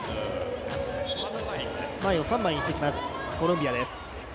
前を三枚にしてきますコロンビアです。